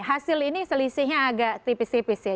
hasil ini selisihnya agak tipis tipis ya